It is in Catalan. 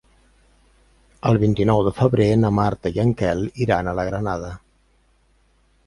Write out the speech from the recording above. El vint-i-nou de febrer na Marta i en Quel iran a la Granada.